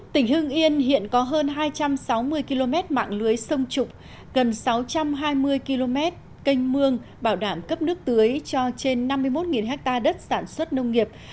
tỉnh hưng yên hiện có hơn hai trăm sáu mươi km mạng lưới sông trục gần sáu trăm hai mươi km canh mương bảo đảm cấp nước tưới cho trên năm mươi một ha đất sản xuất nông nghiệp